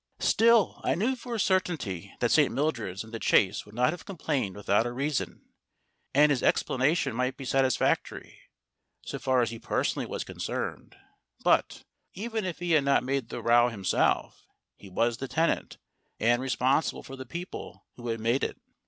Still, I knew for a certainty that St. Mildred's and The Chase would not have complained without a reason; and his explanation might be satisfactory, so far as he personally was concerned, but, even if he had not made the row himself, he was the tenant, and responsible for the people who had made it.